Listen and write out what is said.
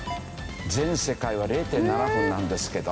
全世界は０．７分なんですけど。